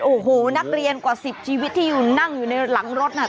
โอ้โหนักเรียนกว่า๑๐ชีวิตที่นั่งอยู่ในหลังรถน่ะ